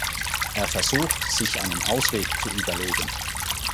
Er versucht, sich einen Ausweg zu überlegen.